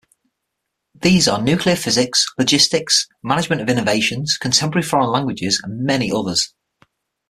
These are Nuclear Physics, Logistics, Management of innovations, Contemporary Foreign Languages and many others.